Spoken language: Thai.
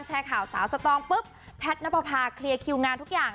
แชร์ข่าวสาวสตองปุ๊บแพทย์นับประพาเคลียร์คิวงานทุกอย่าง